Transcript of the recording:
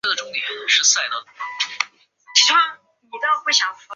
众议院是立法的主要机关。